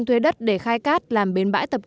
thuê đất để khai cát